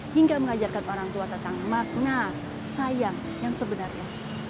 hingga mengajarkan orang tua tentang makna sayang yang sebenarnya